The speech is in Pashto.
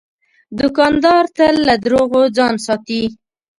دوکاندار تل له دروغو ځان ساتي.